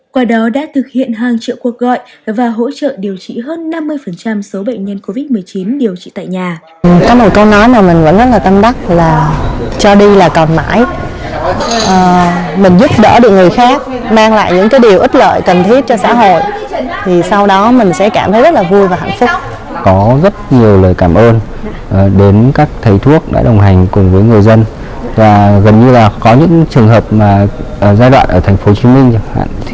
qua đó đã thực hiện hàng triệu cuộc gọi và hỗ trợ điều trị hơn năm mươi số bệnh nhân covid một mươi chín điều trị tại nhà